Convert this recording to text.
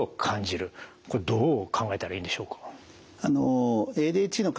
これどう考えたらいいんでしょうか？